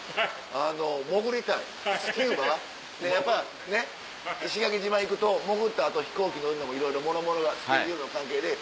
やっぱねっ石垣島行くと潜った後飛行機乗るのもいろいろもろもろがスケジュールの関係で。